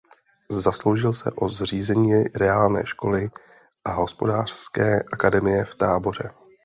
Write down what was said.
Zasloužil se o zřízení reálné školy a hospodářské akademie v Táboře.